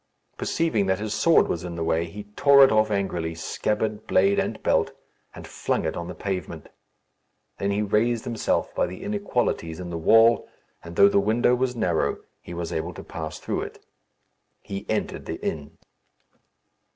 Perceiving that his sword was in the way, he tore it off angrily, scabbard, blade, and belt, and flung it on the pavement. Then he raised himself by the inequalities in the wall, and though the window was narrow, he was able to pass through it. He entered the inn.